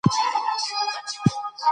او له هغوى د انتخاب حق اخلو.